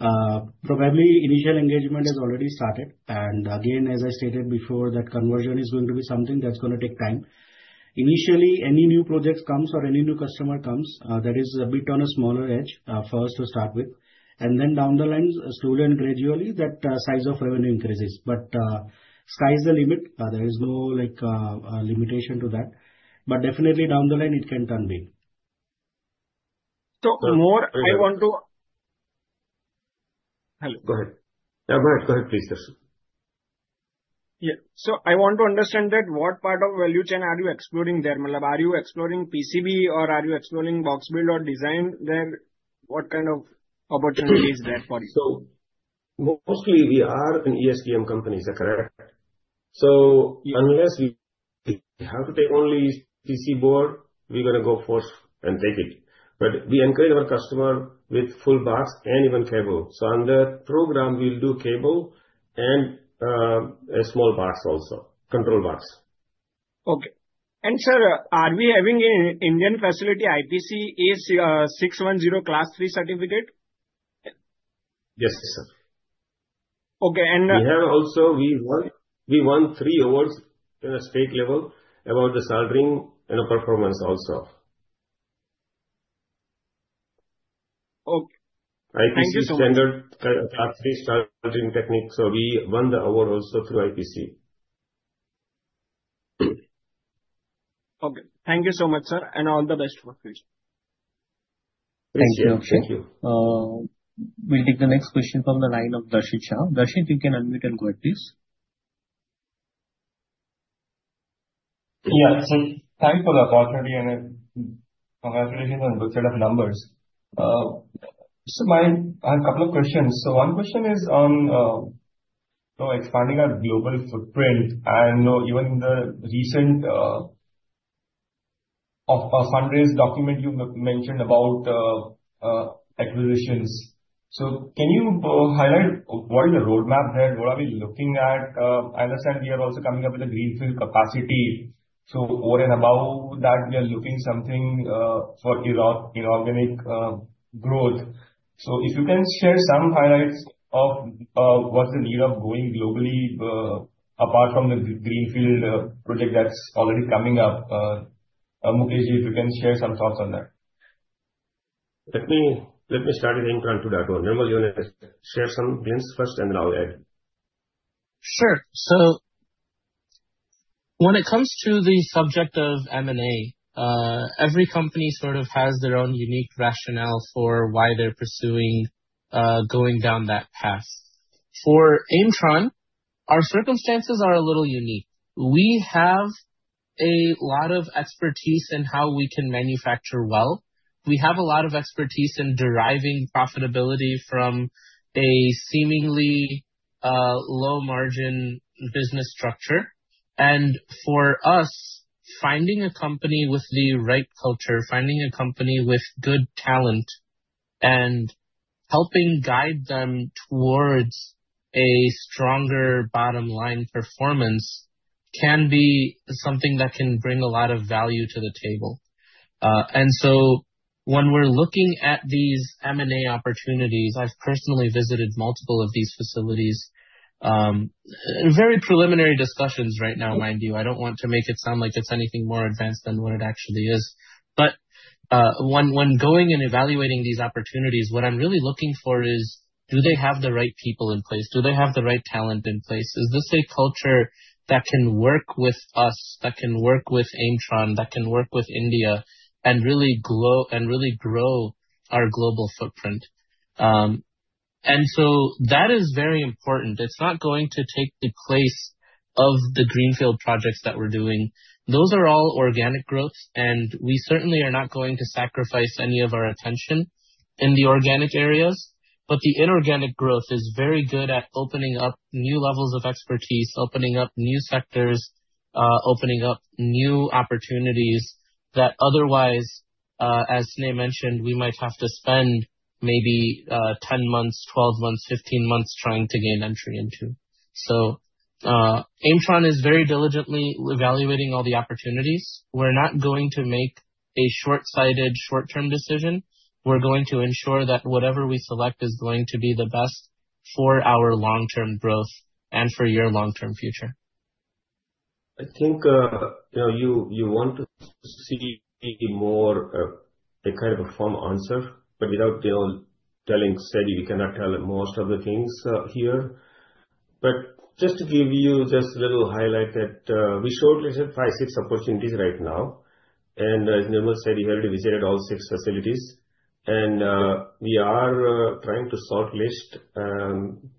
Probably initial engagement has already started. Again, as I stated before, that conversion is going to be something that's going to take time. Initially, any new projects comes or any new customer comes, that is a bit on a smaller edge, for us to start with. Then down the line, slowly and gradually, that size of revenue increases. Sky's the limit. There is no limitation to that. Definitely, down the line, it can turn big. More I want to Hello. Go ahead. Go ahead, please, sir. Yeah. I want to understand that what part of value chain are you exploring there? Are you exploring PCB or are you exploring box build or design there? What kind of opportunity is there for you? Mostly we are an ESDM company. Is that correct? Unless we have to take only PC board, we're going to go forth and take it. We encourage our customer with full box and even cable. Under program, we'll do cable and a small box also, control box. Okay. Sir, are we having an Indian facility IPC-A-610 class 3 certificate? Yes, sir. Okay. We have also won three awards in a state level about the soldering and performance also. Okay. Thank you so much. IPC standard class 3 soldering technique, so we won the award also through IPC. Okay. Thank you so much, sir, and all the best for future. Thank you. Thank you. We'll take the next question from the line of Darshit Shah. Darshit, you can unmute and go ahead, please. Yeah. Thankful, unfortunately, congratulations on good set of numbers. I have a couple of questions. One question is on expanding our global footprint, even the recent, of our fundraise document you mentioned about acquisitions. Can you highlight what is the roadmap there? What are we looking at? I understand we are also coming up with a greenfield capacity. Over and above that, we are looking something for inorganic growth. If you can share some highlights of what's the need of going globally, apart from the greenfield project that's already coming up. Mukesh, if you can share some thoughts on that. Let me start with Aimtron to that one. Nirmal, you want to share some hints first, then I'll add. Sure. When it comes to the subject of M&A, every company sort of has their own unique rationale for why they're pursuing going down that path. For Aimtron, our circumstances are a little unique. We have a lot of expertise in how we can manufacture well. We have a lot of expertise in deriving profitability from a seemingly low margin business structure. For us, finding a company with the right culture, finding a company with good talent, helping guide them towards a stronger bottom line performance can be something that can bring a lot of value to the table. When we're looking at these M&A opportunities, I've personally visited multiple of these facilities. Very preliminary discussions right now, mind you. I don't want to make it sound like it's anything more advanced than what it actually is. When going and evaluating these opportunities, what I'm really looking for is, do they have the right people in place? Do they have the right talent in place? Is this a culture that can work with us, that can work with Aimtron, that can work with India, really grow our global footprint? That is very important. It's not going to take the place of the greenfield projects that we're doing. Those are all organic growths, we certainly are not going to sacrifice any of our attention in the organic areas. The inorganic growth is very good at opening up new levels of expertise, opening up new sectors, opening up new opportunities that otherwise, as Sneh mentioned, we might have to spend maybe 10 months, 12 months, 15 months trying to gain entry into. Aimtron is very diligently evaluating all the opportunities. We're not going to make a short-sighted, short-term decision. We're going to ensure that whatever we select is going to be the best for our long-term growth and for your long-term future. I think, you want to see maybe more a kind of a firm answer, but without telling steady, we cannot tell most of the things here. Just to give you just a little highlight that we showed let's say five, six opportunities right now. As Nirmal said, he already visited all six facilities. We are trying to sort list.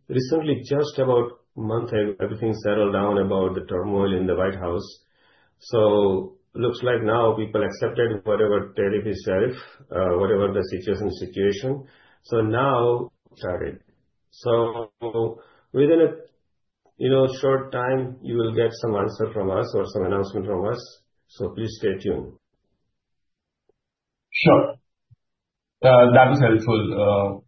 Recently, just about a month ago, everything settled down about the turmoil in the White House. Looks like now people accepted whatever tariff is there, whatever the situation. Now started. Within a short time, you will get some answer from us or some announcement from us. Please stay tuned. Sure. That was helpful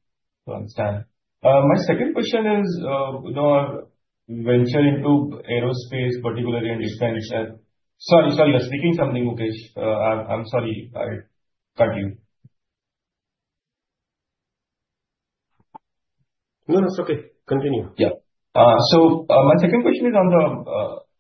to understand. My second question is with our venture into aerospace particularly and defense. Sorry, you are speaking something, Mukesh. I'm sorry. I cut you. No, that's okay. Continue. My second question is on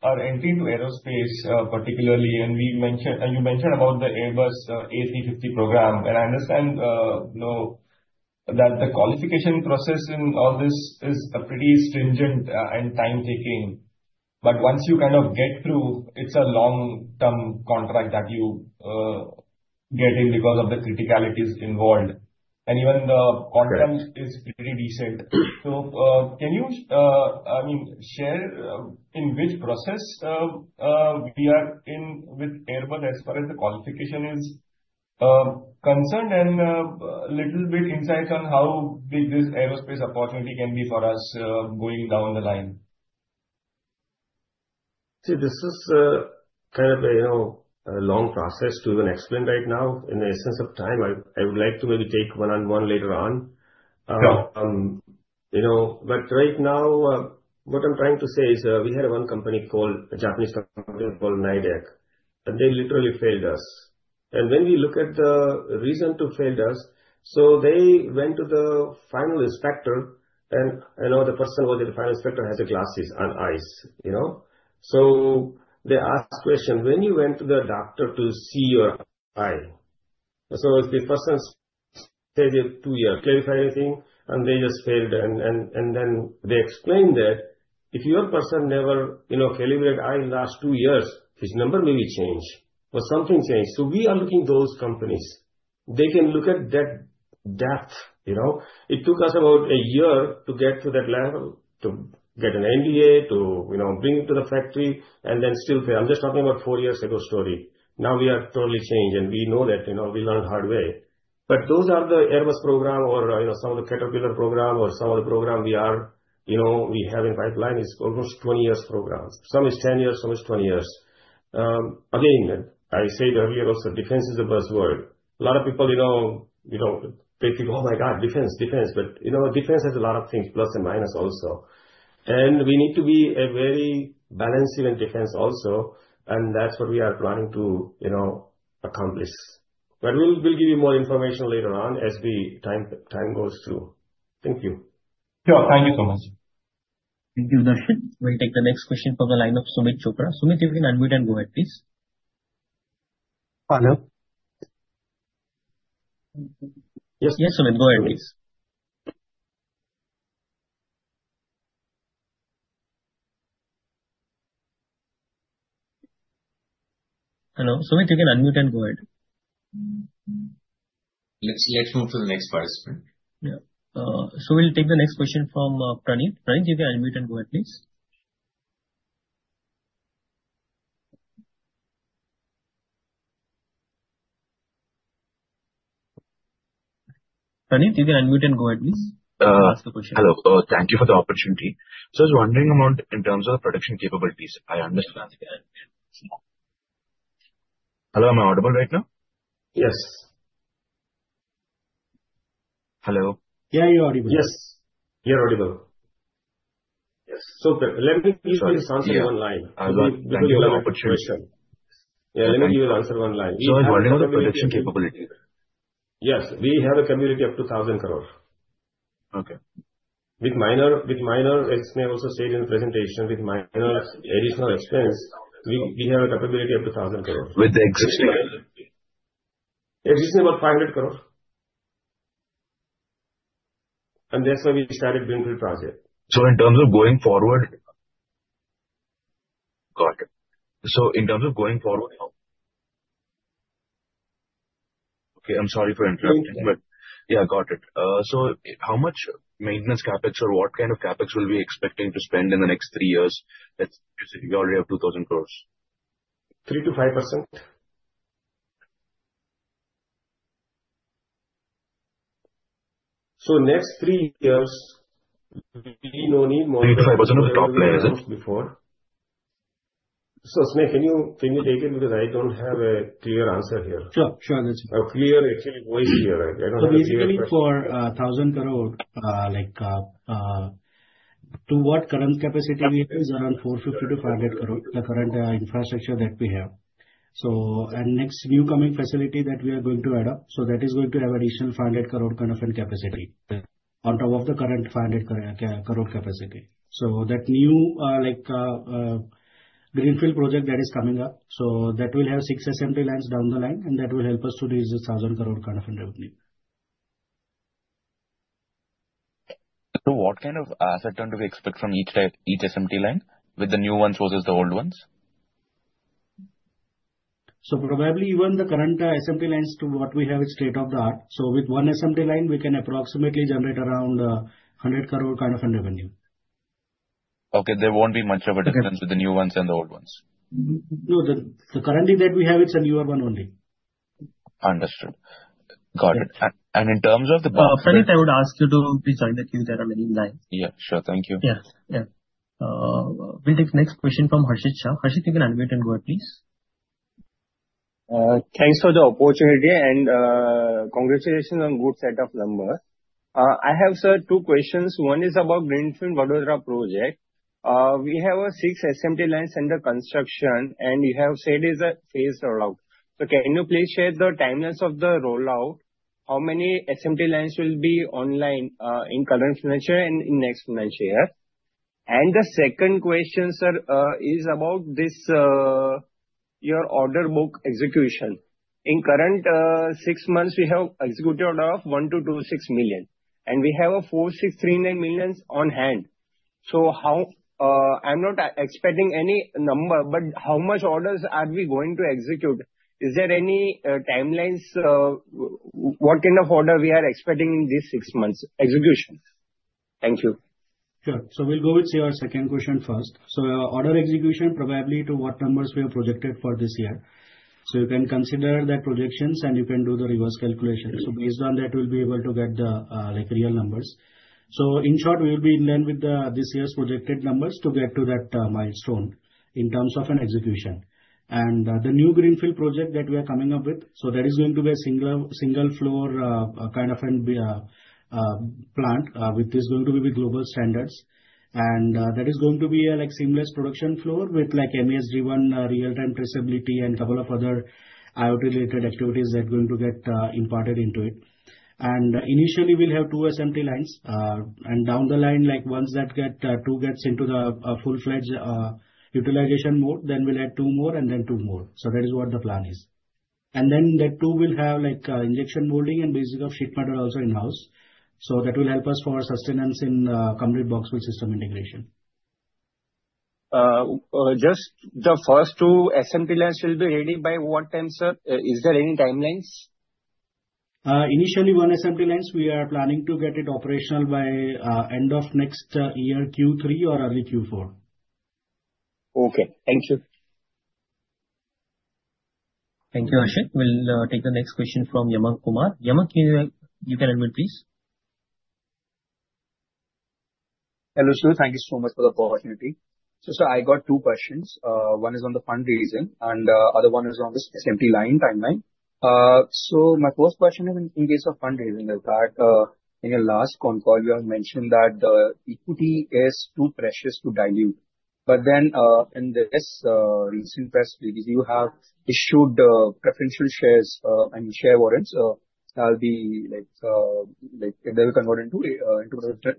our entry to aerospace particularly, you mentioned about the Airbus A350 program, and I understand that the qualification process in all this is pretty stringent and time-taking, but once you kind of get through, it's a long-term contract that you get in because of the criticalities involved and even the content is pretty decent. Can you share in which process we are in with Airbus as far as the qualification is concerned and a little bit insight on how big this aerospace opportunity can be for us going down the line? This is kind of a long process to even explain right now. In the essence of time, I would like to maybe take one-on-one later on. Sure. Right now what I'm trying to say is we had one company, a Japanese company called Nidec, and they literally failed us. When we look at the reason to fail us, they went to the final inspector and the person who was the final inspector has glasses on eyes. They asked question, "When you went to the doctor to see your eye?" The person said two years. Clarify anything, they just failed. They explained that if your person never calibrated eye in the last two years, his number may be changed or something changed. We are looking those companies. They can look at that depth. It took us about a year to get to that level, to get an MBA, to bring him to the factory and then still fail. I'm just talking about four years ago story. Now we are totally changed and we know that. We learned hard way. Those are the Airbus program or some of the Caterpillar program or some of the program we have in pipeline, it's almost 20 years programs. Some is 10 years, some is 20 years. Again, I said earlier also, defense is the buzzword. A lot of people, they think, "Oh my God, defense." Defense has a lot of things, plus and minus also. We need to be a very balanced even defense also, that's what we are trying to accomplish. We'll give you more information later on as time goes too. Thank you. Sure. Thank you so much. Thank you, Darshit. We'll take the next question from the line of Sumit Chopra. Sumit, you can unmute and go ahead, please. Hello? Yes, Sumit, go ahead, please. Hello, Sumit, you can unmute and go ahead. Let's move to the next participant. Yeah. We'll take the next question from Praneet. Praneet, you can unmute and go ahead, please. Praneet, you can unmute and go ahead please and ask the question. Hello. Thank you for the opportunity. I was wondering about in terms of production capabilities, I understand. Hello, am I audible right now? Yes. Hello? Yeah, you're audible. Yes. You're audible. Yes. Sorry. Yeah. Let me please answer you online. Thank you for the opportunity. Yeah, let me give an answer online. I was wondering about production capability. Yes. We have a capability up to 1,000 crore. Okay. With minor, as Sneha also said in presentation, with minor additional expense, we have a capability up to 1,000 crore. With the existing- Existing about 500 crore. That is why we started greenfield project. In terms of going forward. Got it. Okay, I'm sorry for interrupting, but- No. Got it. How much maintenance CapEx or what kind of CapEx will we be expecting to spend in the next three years? You already have 2,000 crore. 3%-5%. Next three years, we no need more than. Three to five% of top line, is it? Before. Sneha, can you take it because I don't have a clear answer here. Sure. A clear, actually voice clear. I don't have a clear. Basically for an 1,000 crore, to what current capacity we have is around 450-500 crore, the current infrastructure that we have. And next new coming facility that we are going to add up, that is going to have additional 500 crore kind of a capacity on top of the current 500 crore capacity. That new greenfield project that is coming up, that will have six assembly lines down the line, and that will help us to reach an 1,000 crore kind of a revenue. What kind of asset turn do we expect from each SMT line with the new ones versus the old ones? Probably even the current SMT lines to what we have is state-of-the-art. With one SMT line, we can approximately generate around 100 crore kind of a revenue. Okay. There won't be much of a difference with the new ones and the old ones. No. The current that we have, it's a newer one only. Understood. Got it. Sunit, I would ask you to please join the queue. There are many in line. Yeah, sure. Thank you. Yes. We'll take next question from Harshit Shah. Harshit, you can unmute and go ahead, please. Thanks for the opportunity. Congratulations on good set of numbers. I have, sir, two questions. One is about greenfield Vadodara project. We have 6 SMT lines under construction. You have said it's a phased rollout. Can you please share the timelines of the rollout? How many SMT lines will be online, in current financial and in next financial year? The second question, sir, is about your order book execution. In current 6 months, we have executed order of 126 million. We have 4,639 million on hand. I'm not expecting any number. How much orders are we going to execute? Is there any timelines? What kind of order we are expecting in these 6 months execution? Thank you. Sure. We'll go with your second question first. Our order execution probably to what numbers we have projected for this year. You can consider the projections, and you can do the reverse calculation. Based on that, we'll be able to get the real numbers. In short, we'll be in line with this year's projected numbers to get to that milestone in terms of an execution. The new greenfield project that we are coming up with, that is going to be a single floor kind of plant, which is going to be with global standards. That is going to be a seamless production floor with MES-driven real-time traceability and couple of other IoT-related activities that are going to get imparted into it. Initially we'll have two SMT lines. Down the line, once that 2 gets into the full-fledged utilization mode, then we'll add 2 more and then 2 more. That is what the plan is. That too will have injection molding and basic sheet metal also in-house. That will help us for our sustenance in complete box with system integration. Just the first two SMT lines will be ready by what time, sir? Is there any timelines? Initially one SMT lines, we are planning to get it operational by end of next year Q3 or early Q4. Okay, thank you. Thank you, Harshit. We will take the next question from Yama Kumar. Yama, you can unmute, please. Hello, sir. Thank you so much for the opportunity. Sir, I got two questions. One is on the fundraising and other one is on the SMT line timeline. My first question is in case of fundraising, is that, in your last concall, you have mentioned that the equity is too precious to dilute. In this recent press release, you have issued preferential shares, and share warrants, they'll convert into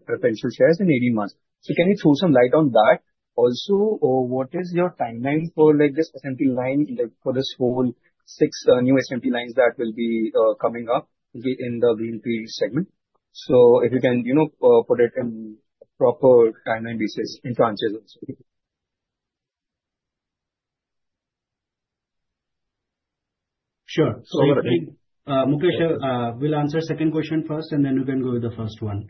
preferential shares in 18 months. Can you throw some light on that? Also, what is your timeline for this SMT line, for this whole six new SMT lines that will be coming up in the greenfield segment? If you can put it in proper timeline basis in tranches also. Sure. Sorry for that. Mukesh will answer second question first, and then we can go with the first one.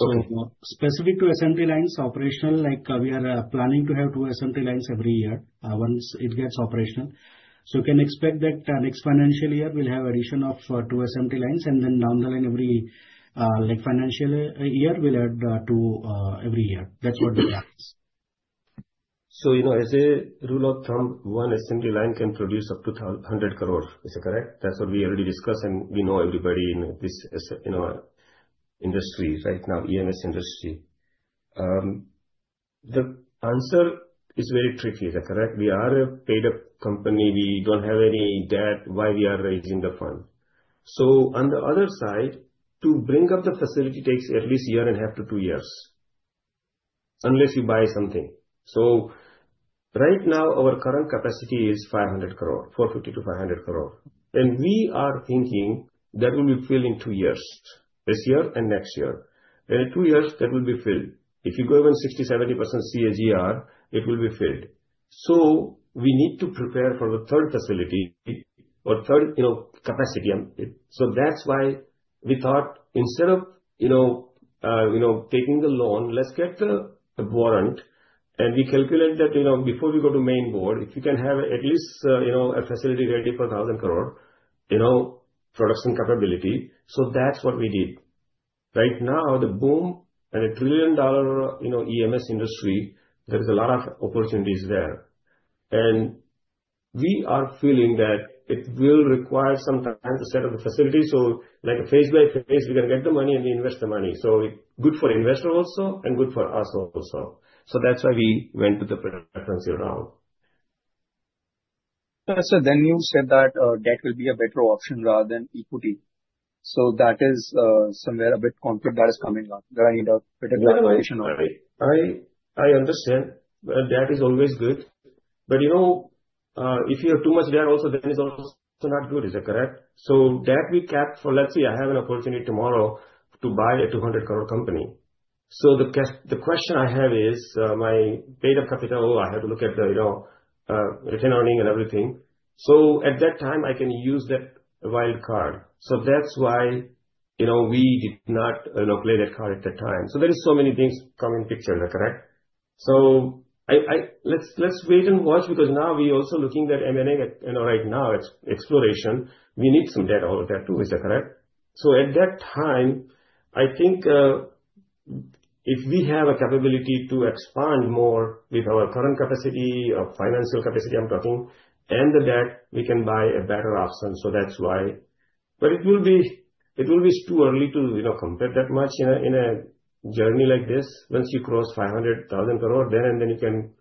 Okay. Specific to SMT lines operational, we are planning to have two SMT lines every year, once it gets operational. You can expect that next financial year, we'll have addition of two SMT lines, and then down the line every financial year, we'll add two every year. That's what the plan is. As a rule of thumb, one SMT line can produce up to 100 crore. Is it correct? That's what we already discussed, and we know everybody in our industry right now, EMS industry. The answer is very tricky. Is that correct? We are a paid-up company. We don't have any debt. Why we are raising the fund? On the other side, to bring up the facility takes at least a year and a half to two years, unless you buy something. Right now, our current capacity is 500 crore, 450-500 crore. We are thinking that will be filled in two years, this year and next year. In two years, that will be filled. If you go even 60%, 70% CAGR, it will be filled. We need to prepare for the third facility or third capacity. That's why we thought instead of taking the loan, let's get the warrant and we calculate that, before we go to main board, if you can have at least a facility ready for 1,000 crore, production capability. That's what we did. Right now, the boom and a trillion-dollar EMS industry, there is a lot of opportunities there. We are feeling that it will require some time to set up the facility. Like a phase by phase, we can get the money and we invest the money. Good for investor also and good for us also. That's why we went with the preferential route. Sir, you said that debt will be a better option rather than equity. That is somewhere a bit conflict that is coming up. Do I need a better clarification on it? No, I understand. Debt is always good. If you have too much debt also, that is also not good. Is that correct? Debt we cap for, let's say I have an opportunity tomorrow to buy an 200 crore company. The question I have is, my paid up capital, I have to look at the return earning and everything. At that time, I can use that wild card. That's why we did not play that card at that time. There is so many things come in picture, correct? Let's wait and watch, because now we're also looking at M&A right now, exploration. We need some debt over there, too. Is that correct? At that time, I think if we have a capability to expand more with our current capacity, financial capacity, I'm talking, and the debt, we can buy a better option. That's why. It will be too early to compare that much in a journey like this. Once you cross 500,000 crore then you can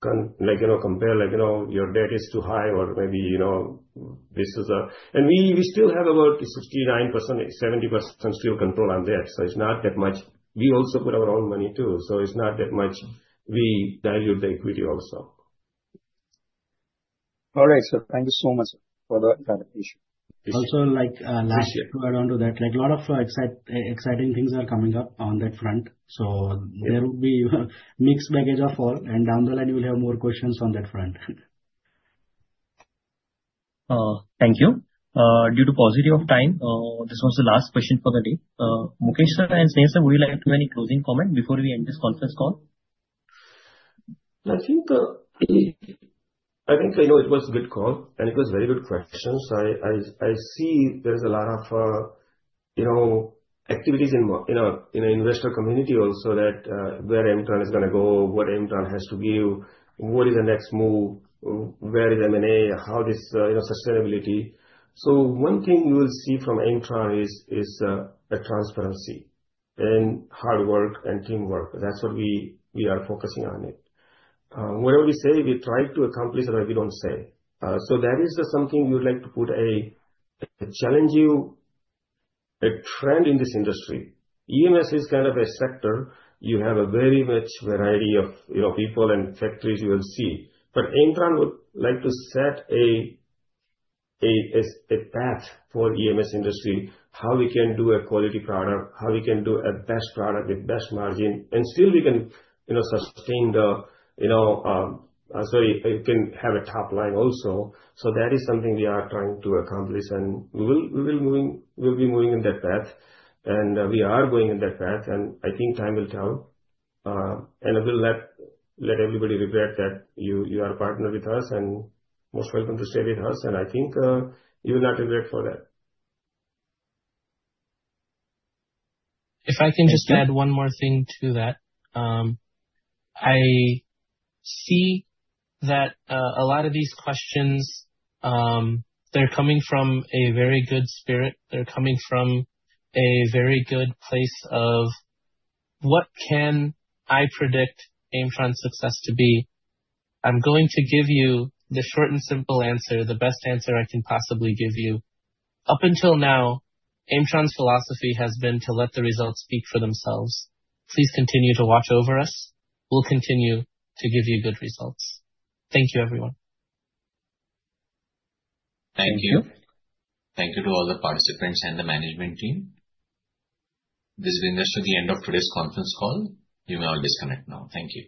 compare, your debt is too high or maybe this is. We still have about 69%, 70% still control on debt. It's not that much. We also put our own money, too. It's not that much we dilute the equity also. All right, sir. Thank you so much, sir, for that clarification. Appreciate it. Last to add on to that, a lot of exciting things are coming up on that front. There will be mixed baggage of all, and down the line, you will have more questions on that front. Thank you. Due to paucity of time, this was the last question for the day. Mukesh sir and Sunny sir, would you like to any closing comment before we end this conference call? I think it was a good call, and it was very good questions. I see there's a lot of activities in investor community also that, where Aimtron is going to go, what Aimtron has to give, what is the next move, where is M&A, how this sustainability. One thing you will see from Aimtron is the transparency and hard work and teamwork. That's what we are focusing on it. Whatever we say, we try to accomplish, or we don't say. That is something we would like to put a challenging, a trend in this industry. EMS is kind of a sector. You have a very much variety of people and factories you will see. Aimtron would like to set a path for EMS industry, how we can do a quality product, how we can do a best product with best margin, and still it can have a top line also. That is something we are trying to accomplish, and we'll be moving in that path. We are going in that path, and I think time will tell. We'll let everybody regret that you are partnered with us, and most welcome to stay with us. I think you will not regret for that. If I can just add one more thing to that. I see that a lot of these questions, they're coming from a very good spirit. They're coming from a very good place of what can I predict Aimtron's success to be? I'm going to give you the short and simple answer, the best answer I can possibly give you. Up until now, Aimtron's philosophy has been to let the results speak for themselves. Please continue to watch over us. We'll continue to give you good results. Thank you, everyone. Thank you. Thank you to all the participants and the management team. This brings us to the end of today's conference call. You may all disconnect now. Thank you.